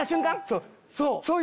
そう。